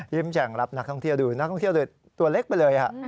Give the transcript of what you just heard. แจ่งรับนักท่องเที่ยวดูนักท่องเที่ยวโดยตัวเล็กไปเลย